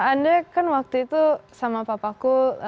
anda kan waktu itu sama papaku